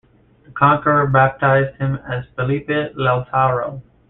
The conqueror baptized him as Felipe Lautaro.